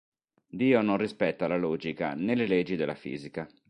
Dio non rispetta la logica né le leggi della fisica.